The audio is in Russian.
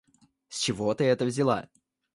С чего ты это взяла?